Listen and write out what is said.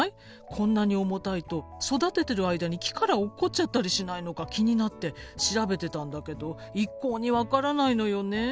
こんなに重たいと育ててる間に木から落っこっちゃったりしないのか気になって調べてたんだけど一向に分からないのよね。